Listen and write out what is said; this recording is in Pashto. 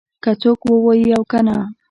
که څوک ووایي او کنه